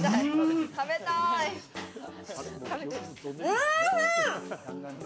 おいしい！